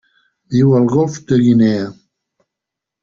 Viu al Golf de Guinea.